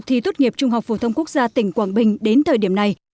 thi tốt nghiệp trung học phổ thông quốc gia tỉnh quảng bình đến thời điểm này